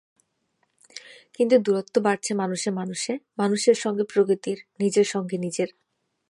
কিন্তু দূরত্ব বাড়ছে মানুষে মানুষে, মানুষের সঙ্গে প্রকৃতির, নিজের সঙ্গে নিজের।